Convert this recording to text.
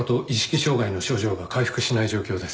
障害の症状が回復しない状況です。